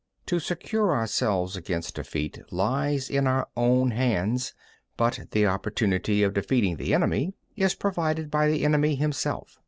2. To secure ourselves against defeat lies in our own hands, but the opportunity of defeating the enemy is provided by the enemy himself.